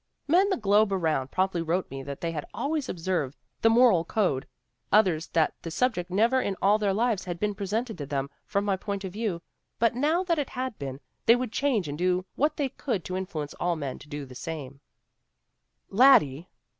Men the globe around promptly wrote me that they had always observed the moral code; others that the subject never in all their lives had been presented to them from my point of view, but now that it had been, they would change and GENE STRATTON PORTER 103 do what they could to influence all men to do the same/ " Laddie